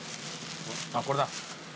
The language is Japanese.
あっこれだ。